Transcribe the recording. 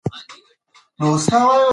هغوی په مالي چارو کې ناکام شوي دي.